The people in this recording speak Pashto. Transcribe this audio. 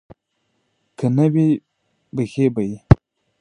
که نه وي بښي به یې.